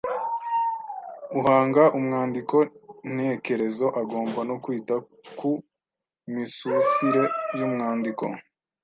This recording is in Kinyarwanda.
Uhanga umwandiko ntekerezo agomba no kwita ku misusire y’umwandiko.